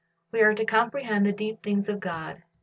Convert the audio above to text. We are to comprehend the deep things of God.